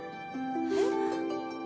えっ？